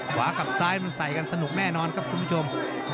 กับซ้ายมันใส่กันสนุกแน่นอนครับคุณผู้ชม